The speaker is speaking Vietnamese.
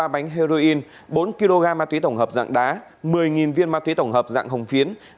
ba bánh heroin bốn kg ma túy tổng hợp dạng đá một mươi viên ma túy tổng hợp dạng hồng phiến